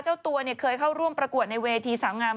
เจ้าตัวเคยเข้าร่วมประกวดในเวทีสาวงาม